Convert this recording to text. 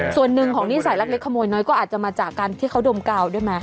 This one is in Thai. ส่วนหนึ่งของนิสัยรักเล็กขโมยน้อยก็อาจจะมาจากการที่เขาดมกาวด้วยไหม